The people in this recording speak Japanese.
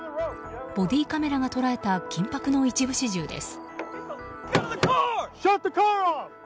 ボディーカメラが捉えた緊迫の一部始終です。